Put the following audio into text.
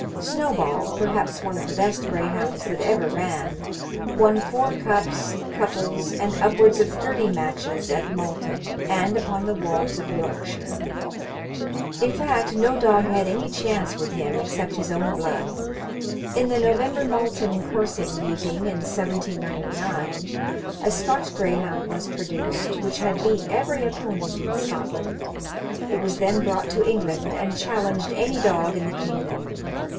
Snowball, perhaps one of the best greyhounds that ever ran, won four cups, couples, and upwards of thirty matches, at Malton, and upon the wolds of Yorkshire. In fact, no dog had any chance with him except his own blood. In the November Malton coursing meeting in 1799, a Scotch greyhound was produced, which had beat every opponent in Scotland. It was then brought to England, and challenged any dog in the kingdom.